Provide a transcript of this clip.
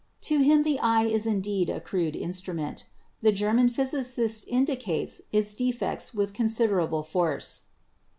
To him the eye is indeed a crude instrument. The German physicist indicates its defects with considerable force.